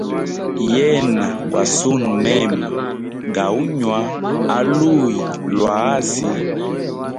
Yena gwa sune mema ga uyoga aluyi lwa asi.